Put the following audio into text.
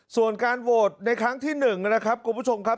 ส่วนการโหวตในครั้งที่๑นะครับคุณผู้ชมครับ